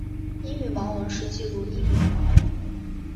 英语盲文是记录英语的盲文。